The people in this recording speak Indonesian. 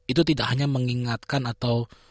itu tidak hanya mengingatkan atau